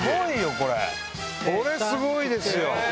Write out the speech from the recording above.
これすごいですよ！